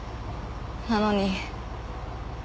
なのに。